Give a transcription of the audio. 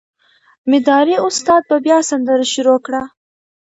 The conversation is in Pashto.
مداري استاد به بیا سندره شروع کړه.